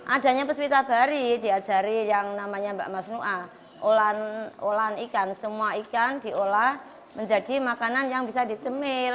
adanya puspita bari diajari yang namanya mbak mas nuah olahan ikan semua ikan diolah menjadi makanan yang bisa dicemil